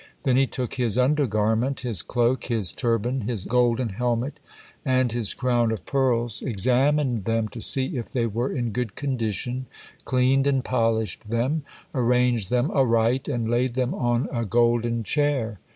Then he took his undergarment, his cloak, his turban, his golden helmet, and his crown of pearls, examined them to see if they were in good condition, cleaned and polished them, arranged them aright, and laid them on a golden chair.